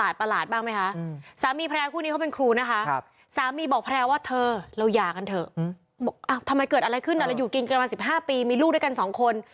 ต้องไปหาทางแก้ชง